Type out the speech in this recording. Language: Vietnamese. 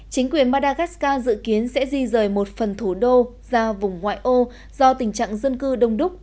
chính quyền madagascar dự kiến sẽ di rời một phần thủ đô ra vùng ngoại ô do tình trạng dân cư đông đúc